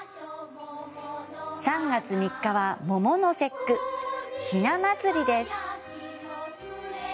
３月３日は桃の節句、ひな祭りです。